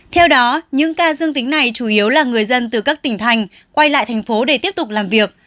theo đó những ca dương tính này chủ yếu là người dân từ các tỉnh thành quay lại thành phố để tiếp tục làm việc